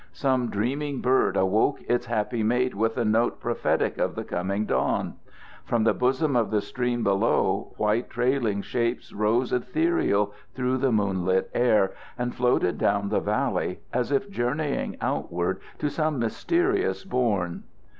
Some dreaming bird awoke its happy mate with a note prophetic of the coming dawn. From the bosom of the stream below, white trailing shapes rose ethereal through the moonlit air, and floated down the valley as if journeying outward to some mysterious bourn.